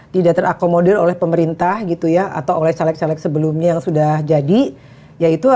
tidak terakomodir oleh pemerintah gitu ya atau oleh caleg caleg sebelumnya yang sudah jadi yaitu